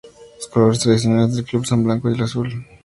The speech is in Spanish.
Los colores tradicionales del club son el blanco y el azul.